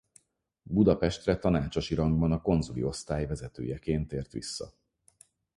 Budapestre tanácsosi rangban a konzuli osztály vezetőjeként tért vissza.